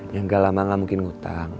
ya gak lah mama gak mungkin ngutang